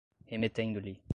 remetendo-lhe